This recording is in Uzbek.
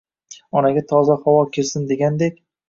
Onaga toza havo kirsin degandek.